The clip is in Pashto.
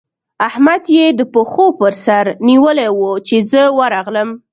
احمد يې د پښو پر سره نيولی وو؛ چې زه ورغلم.